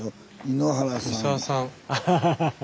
井ノ原さん。